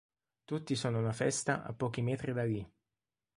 Tutti sono a una festa a pochi metri da li.